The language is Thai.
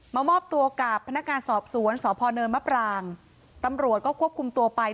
มามอบตัวกับพนักงานสอบสวนสพเนินมะปรางตำรวจก็ควบคุมตัวไป